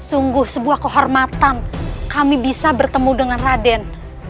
sungguh sebuah kehormatan kami bisa bertemu dengan raden